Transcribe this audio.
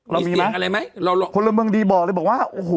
เรามีมั้ยมีเสียงอะไรมั้ยเราคนละเมืองดีบ่อเลยบอกว่าโอ้โห